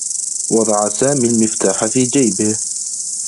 وضع سامي المفتاح في جيبه.